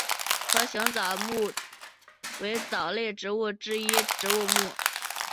盒形藻目为藻类植物之一植物目。